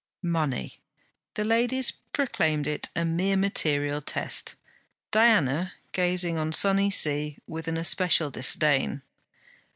Money! The ladies proclaimed it a mere material test; Diana, gazing on sunny sea, with an especial disdain.